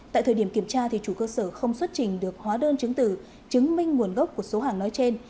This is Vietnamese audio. tại thời điểm kiểm tra chủ cơ sở không xuất trình được hóa đơn chứng tử chứng minh nguồn gốc của số hàng nói trên